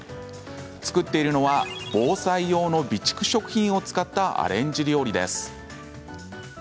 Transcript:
作っているのは防災用の備蓄食品を使ったアレンジ料理です。